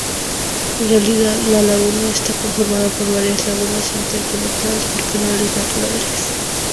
En realidad la laguna está conformada por varias lagunas interconectadas por canales naturales.